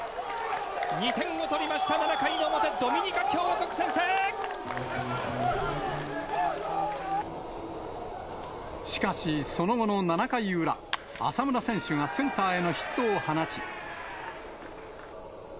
２点を取りました、７回の表、しかし、その後の７回裏、浅村選手がセンターへのヒットを放ち。